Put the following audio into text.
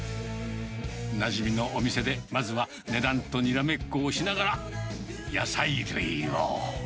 なじみのお店で、まずは値段とにらめっこをしながら、野菜類を。